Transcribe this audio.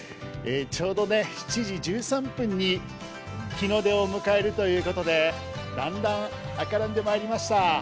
ちょうど７時１３分に日の出を迎えるということでだんだん赤らんでまいりました。